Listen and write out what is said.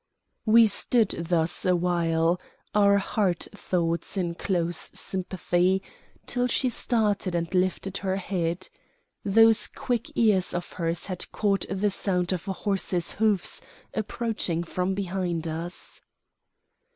We stood thus awhile, our heart thoughts in close sympathy, till she started and lifted her head. Those quick ears of hers had caught the sound of a horse's hoofs approaching from behind us.